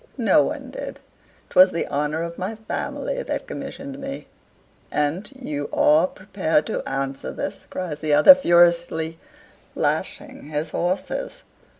"No one did. 'Twas the honor of my family that commissioned me." "And you are prepared to answer this?" cries the other, furiously lashing his horses.